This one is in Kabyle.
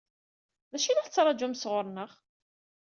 D acu i la tettṛaǧum sɣur-neɣ?